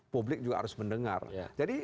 publik juga harus mendengar jadi